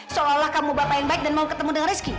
seolah olah kamu bapak yang baik dan mau ketemu dengan rizky